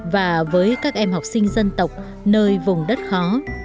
và với các em học sinh dân tộc nơi vùng đất khó